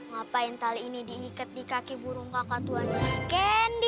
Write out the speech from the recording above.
ngapain tali ini diikat di kaki burung kakak tuanya si kendi